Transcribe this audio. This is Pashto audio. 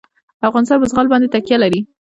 افغانستان په زغال باندې تکیه لري.